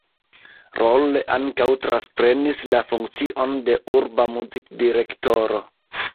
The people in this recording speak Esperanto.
Rolle ankaŭ transprenis la funkcion de urba muzikdirektoro.